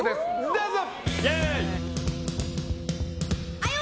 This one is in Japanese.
どうぞ！